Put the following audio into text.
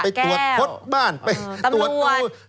ไปตรวจพจบ้านไปตรวจตัมหลวด